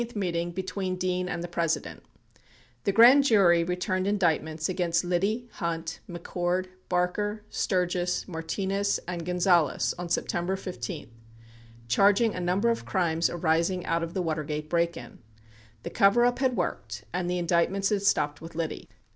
The September 15 Meeting Between Dean and the President The grand jury returned indictments against Liddy, Hunt, McCord, Barker, Sturgis, Martinez, and Gonzales on September 15, charging a number of crimes arising out of the Watergate break in. The coverup had worked and the indictments had stopped with Liddy.